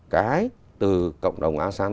cái từ cộng đồng asean